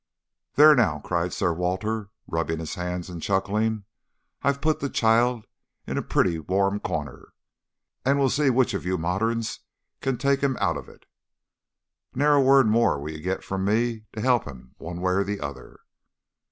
"There now!" cried Sir Walter, rubbing his hands and chuckling, "I've put the chiel in a pretty warm corner, and we'll see which of you moderns can take him oot o't. Ne'er a word more will ye get frae me to help him one way or the other."